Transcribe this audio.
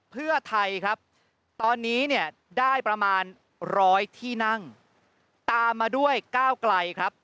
เพื่อไทยครับตอนนี้เนี่ยได้ประมาณร้อยที่นั่งตามมาด้วยก้าวไกลครับ